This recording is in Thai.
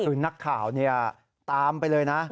คือนักข่าวตามไปเลยนะ